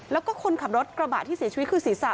แล้วก็คนขับรถกระบะที่เสียชีวิตคือศีรษะ